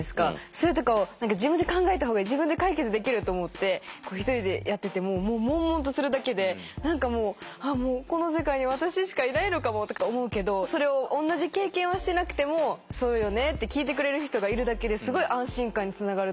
それとかを自分で考えたほうがいい自分で解決できると思って一人でやってても悶々とするだけで何かもうああこの世界に私しかいないのかもとか思うけどそれを同じ経験はしてなくてもそうよねって聞いてくれる人がいるだけですごい安心感につながると思うので。